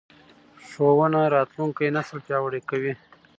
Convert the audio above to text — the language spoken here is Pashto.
ښوونه راتلونکی نسل پیاوړی کوي